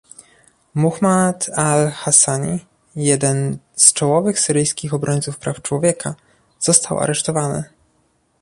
Muhannad Al Hassani - jeden z czołowych syryjskich obrońców praw człowieka - został aresztowany